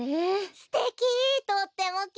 すてき！